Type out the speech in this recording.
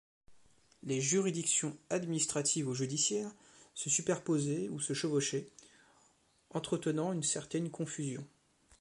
Les juridictions administratives ou judiciaires se superposaient ou se chevauchaient, entretenant une certaine confusion.